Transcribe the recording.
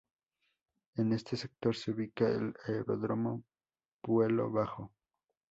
En este sector se ubica el Aeródromo Puelo Bajo.